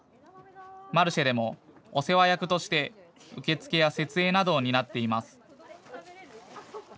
マルシェでも、お世話役として受付や設営などを担っています。